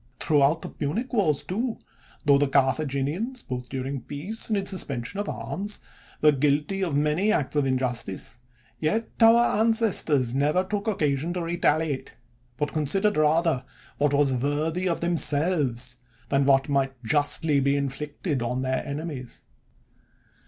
Throughout the Punic Wars, too, tho the Carthaginians, both during peace and in suspensions of arms, were guilty of many acts of injustice, yet our ancestors never took occasion to retaliate, but considered rather what was worthy of themselves, than what might just ly be inflicted on their enemies.